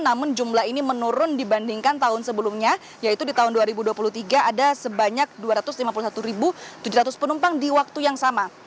namun jumlah ini menurun dibandingkan tahun sebelumnya yaitu di tahun dua ribu dua puluh tiga ada sebanyak dua ratus lima puluh satu tujuh ratus penumpang di waktu yang sama